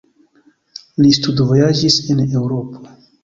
Li studvojaĝis en Eŭropo.